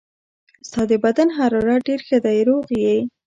ستا د بدن حرارت ډېر ښه دی، روغ یې.